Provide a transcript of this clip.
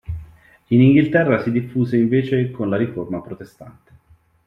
In Inghilterra si diffuse invece con la riforma protestante.